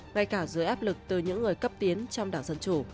ngay cả dưới áp lực từ những người cấp tiến trong đảng dân chủ